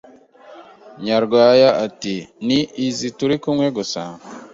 Nyarwaya ati “Ni izi turi kumwe gusa